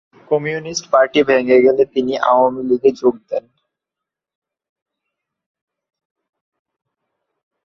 Communist party ভেঙে গেলে তিনি আওয়ামী লীগে যোগ দেন।